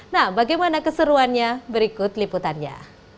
nah bagaimana keseruannya berikut liputannya